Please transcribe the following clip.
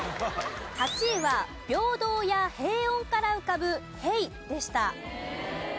８位は平等や平穏から浮かぶ「平」でした。